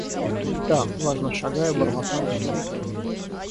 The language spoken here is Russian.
– Да, – важно шагая, бормотал он.